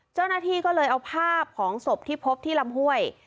เจ้าหน้าที่ก็เลยเอาภาพของศพที่พบที่ลำห้วย